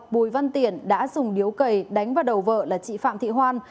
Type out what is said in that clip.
bùi văn tiện đã dùng điếu cầy đánh vào đầu vợ là chị phạm thị hoan